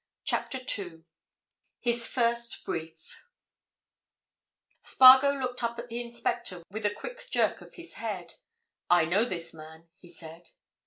CHAPTER TWO HIS FIRST BRIEF Spargo looked up at the inspector with a quick jerk of his head. "I know this man," he said.